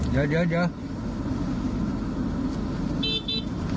เดี๋ยวเดี๋ยวเดี๋ยว